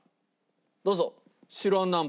どうぞ。